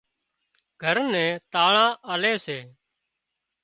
گھر نين تاۯان آلي سي